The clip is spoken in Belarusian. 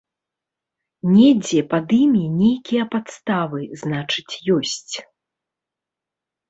Недзе пад імі нейкія падставы, значыць, ёсць.